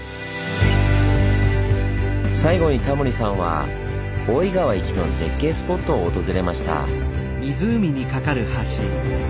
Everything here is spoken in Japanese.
最後にタモリさんは大井川一の絶景スポットを訪れました。